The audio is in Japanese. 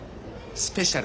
スペシャル。